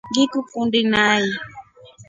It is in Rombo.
Ngikukundi nai.